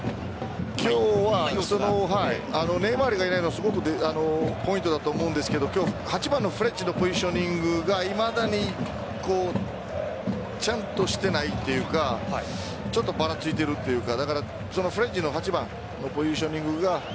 今日はネイマールがいないのはポイントだと思うんですけど８番のフレッジのポジショニングがいまだにちゃんとしてないというかちょっとバラついているというかフレッジの８番のポジショニングが。